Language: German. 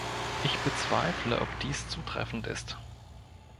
Ich bezweifle, ob dies zutreffend ist.